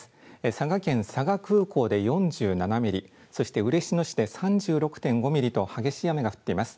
佐賀県佐賀空港で４７ミリ、そして嬉野市で３６．５ミリと激しい雨が降っています。